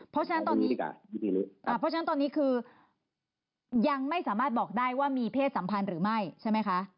เพราะฉะนั้นตอนนี้คือยังไม่สามารถบอกได้ว่ามีเพศสัมพันธ์หรือไม่ใช่ไหมคะ